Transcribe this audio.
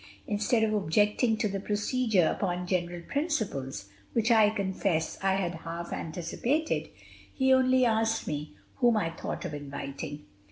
Instead of objecting to the procedure upon general principles, which I confess I had half anticipated, he only asked me whom I thought of inviting.